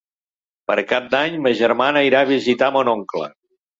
Per Cap d'Any ma germana irà a visitar mon oncle.